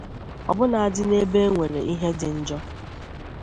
ọbụnadị n'ebe e nwere ihe dị njọ